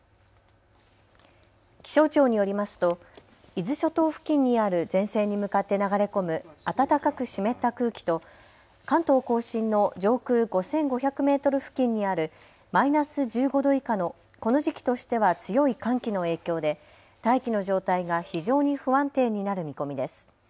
気象庁によりますと伊豆諸島付近にある前線に向かって流れ込む暖かく湿った空気と関東甲信の上空５５００メートル付近にあるマイナス１５度以下のこの時期としては強い寒気の影響で大気の状態が非常に不安定になる見込みです。